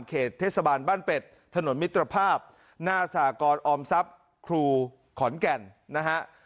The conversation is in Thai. เขตเทศบาลบ้านเป็ดถนนมิตรภาพหน้าสากรออมทรัพย์ครูขอนแก่นนะฮะ